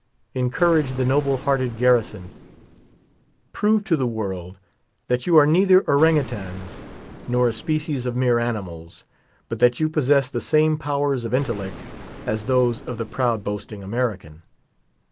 Encourage the noble hearted Garrison. Prove to the world that you are neither ourang outangs, nor a species of mere animals, but that you possess the same powers of intellect as those of the proud boasting American.